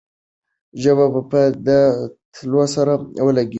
ژبه به د تالو سره ولګېږي.